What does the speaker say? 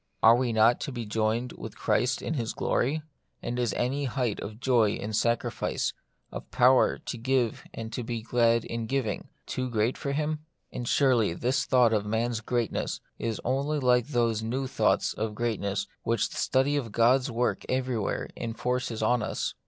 Are we not to be joined with Christ in His glory ; and is any height of joy in sacrifice, of power to give and to be glad in giving, too great for Him ? And surely this thought of man's greatness is only like those new thoughts of greatness which the study of God's works everywhere enforces on us.